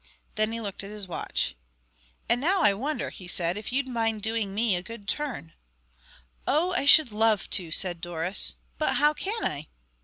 Then he looked at his watch. "And now I wonder," he said, "if you'd mind doing me a good turn?" "Oh, I should love to!" said Doris; "but how can I?"